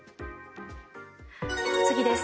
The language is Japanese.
次です。